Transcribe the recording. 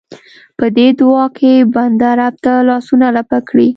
په دې دعا کې بنده رب ته لاسونه لپه کړي.